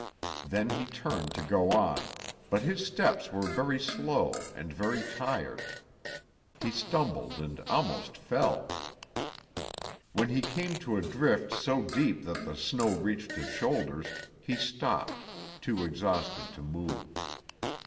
Then he turned to go on, but his steps were very slow and very tired. He stumbled and almost fell. When he came to a drift so deep that the snow reached his shoulders, he stopped, too exhausted to move.